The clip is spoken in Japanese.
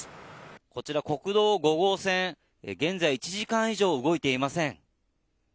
こちら、国道５号線現在１時間以上動いていません。